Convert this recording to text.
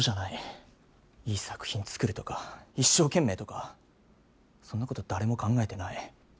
いい作品つくるとか一生懸命とかそんなこと誰も考えてない。